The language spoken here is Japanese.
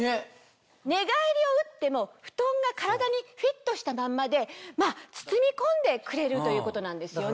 寝返りをうっても布団が体にフィットしたまんまで包み込んでくれるということなんですよね。